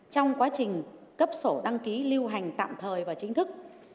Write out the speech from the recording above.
trong quá trình cấp sổ đăng ký lưu hành tạm thời và chính thức